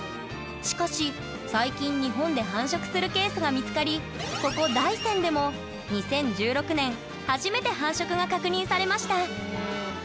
しかし最近日本で繁殖するケースが見つかりここ大山でも２０１６年初めて繁殖が確認されました。